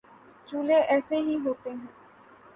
چولہے ایسے ہی ہوتے ہوں